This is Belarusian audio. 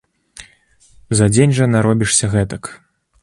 За дзень жа наробішся гэтак.